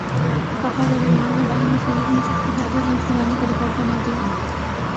فخر اور امام نے باہمی سیریز میں سب سے زیادہ رنز بنانے کاریکارڈ بنادیا